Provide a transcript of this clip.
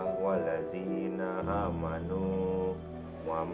kututnya apa kabar